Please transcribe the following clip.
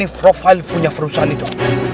tidak company profile punya perusahaan itu